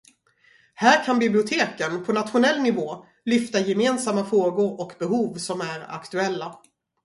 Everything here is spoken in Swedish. Här kan biblioteken, på nationell nivå, lyfta gemensamma frågor och behov som är aktuella.